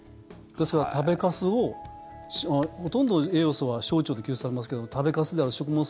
ですから食べかすをほとんど栄養素は小腸で吸収されますけど食べかすである食物